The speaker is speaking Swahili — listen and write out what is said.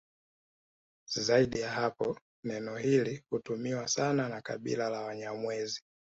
Zaidi ya hapo neno hili hutumiwa sana na kabila la Wanyamwezi